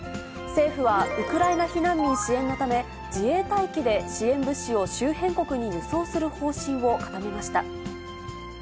政府はウクライナ避難民支援のため、自衛隊機で支援物資を周辺国に輸送する方針を固めました。